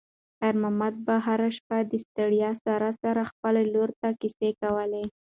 خیر محمد به هره شپه د ستړیا سره سره خپلې لور ته کیسې کولې.